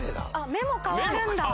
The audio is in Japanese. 目も変わるんだ！